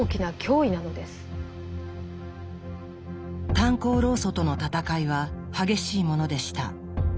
炭鉱労組との戦いは激しいものでした。